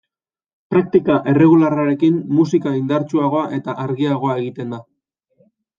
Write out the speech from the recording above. Praktika erregularrarekin musika indartsuagoa eta argiagoa egiten da.